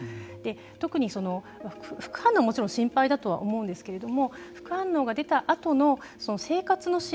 特に副反応はもちろん心配だとは思うんですけれども副反応が出たあとの生活の支援